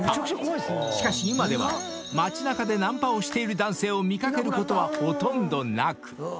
［しかし今では街なかでナンパをしている男性を見掛けることはほとんどなく］